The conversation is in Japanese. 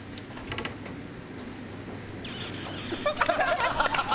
ハハハハハ！